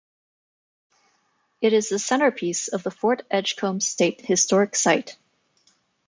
It is the centerpiece of the Fort Edgecomb State Historic Site.